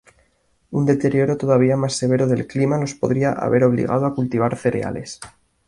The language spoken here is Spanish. Un deterioro todavía más severo del clima los podría haber obligado a cultivar cereales.